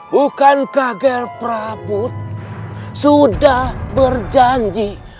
bukankah nger prabu sudah berjanji